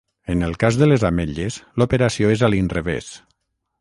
En el cas de les ametlles l'operació és a l'inrevés.